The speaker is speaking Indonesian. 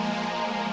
aduh